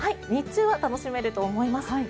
日中は楽しめると思います。